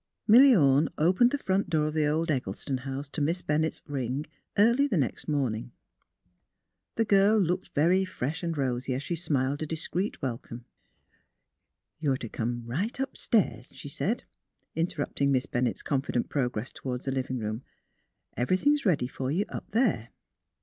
MiLLY Orne opened the front door of the old Eg gieston house to Miss Bennett's ring early the next morning. The girl looked very fresh and rosy as she smiled a discreet welcome. " You are to come right upstairs," she said, interrupting Miss Bennett's conlQdent progress toward the living room. " Everything's ready for you up there.